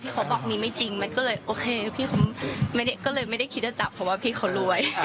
เขาบอกมีไม่จริงมันก็เลยโอเคพี่เขาก็เลยไม่ได้คิดจะจับเพราะว่าพี่เขารวย